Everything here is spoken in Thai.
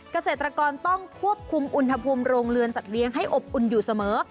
เกษตรกรต้องควบคุมอุณหภูมิโรงเรือนสัตเลี้ยงให้อบอุ่นอยู่เสมอ